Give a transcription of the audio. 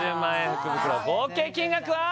福袋合計金額は？